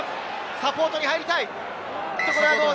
サポートに入りたい。